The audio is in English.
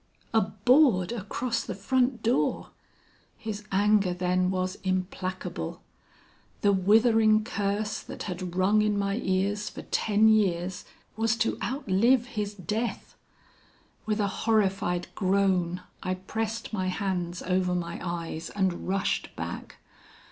"A board across the front door! His anger then was implacable. The withering curse that had rung in my ears for ten years, was to outlive his death! With a horrified groan, I pressed my hands over my eyes and rushed back.